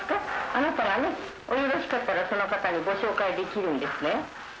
あなたがおよろしかったら、その方にご紹介できるんですね。